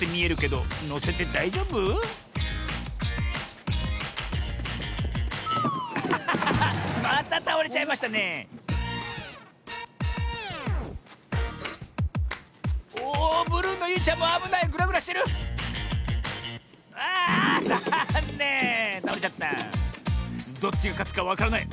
どっちがかつかわからない。